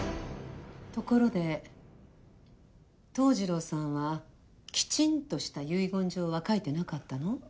ところで桃次郎さんはきちんとした遺言状は書いてなかったの？